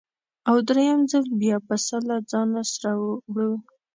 او درېیم ځل بیا پسه له ځانه سره وړو.